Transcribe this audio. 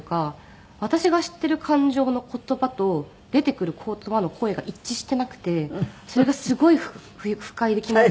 私が知っている感情の言葉と出てくる言葉の声が一致していなくてそれがすごい不快で。